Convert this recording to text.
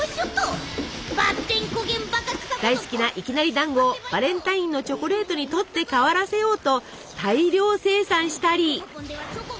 大好きないきなりだんごをバレンタインのチョコレートに取って代わらせようと大量生産したり。